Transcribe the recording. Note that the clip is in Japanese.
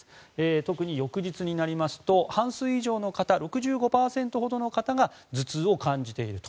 特に翌日になりますと半数以上の方、６５％ほどの方が頭痛を感じていると。